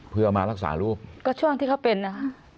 เพื่อมารักษารูปก็ช่วงที่เขาเป็นนะ